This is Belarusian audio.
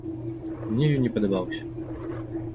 Мне ён не падабаўся.